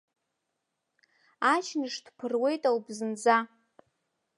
Аџьныш дԥыруеит ауп зынӡа!